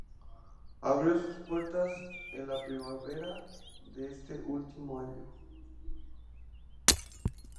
Abrió sus puertas en la primavera de ese último año.